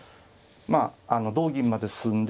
まあ同銀まで進んで。